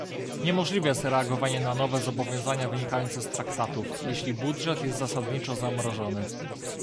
Niemożliwe jest reagowanie na nowe zobowiązania wynikające z traktatów, jeśli budżet jest zasadniczo zamrożony